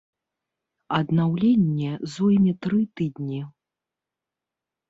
Аднаўленне зойме тры тыдні.